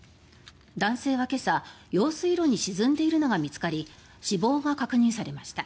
男性は今朝用水路に沈んでいるのが見つかり死亡が確認されました。